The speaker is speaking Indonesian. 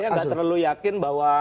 saya nggak terlalu yakin bahwa